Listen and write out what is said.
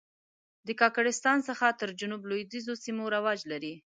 د کاکړستان څخه تر جنوب لوېدیځو سیمو رواج لري.